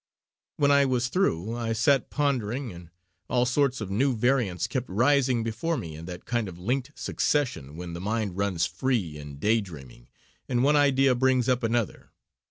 When I was through, I sat pondering, and all sorts of new variants kept rising before me in that kind of linked succession when the mind runs free in day dreaming and one idea brings up another.